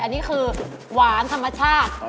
อันนี้คือหวานธรรมชาติ